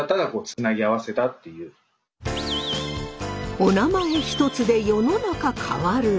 おなまえ一つで世の中変わる！